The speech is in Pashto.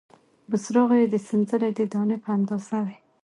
بوسراغې یې د سنځلې د دانې په اندازه وې،